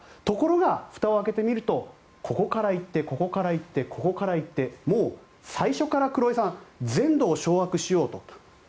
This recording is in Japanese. ところがふたを開けてみるとここから行ってここから行って、ここから行ってもう最初から黒井さん全土を掌握しようと。